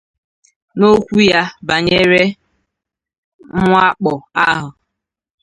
N'okwu ya banyere mwakpò ahụ